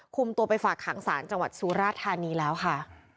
คุมตัวไปฝากขังศาลจังหวัดสุราธานีแล้วค่ะ